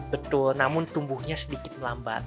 betul namun tumbuhnya sedikit melambat